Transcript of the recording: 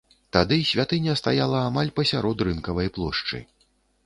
Тады святыня стаяла амаль пасярод рынкавай плошчы.